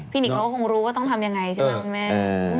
พี่นิกเขาก็คงรู้ว่าต้องทำอย่างไรใช่ไหม